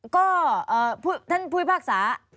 ก็ท่านผู้พิพากษา